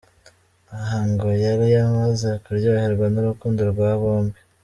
Aha ngo yari amaze kuryoherwa n’urukundo rwa bombi.